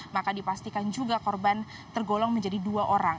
maka dipastikan juga korban tergolong menjadi dua orang